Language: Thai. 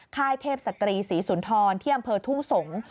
ค่ายเทพศตรีศรีสุนทรที่อำเภอทุ่งสงศ์